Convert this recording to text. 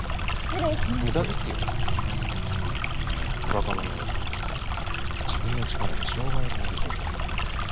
若者はいつも自分の力で障害を乗り越える。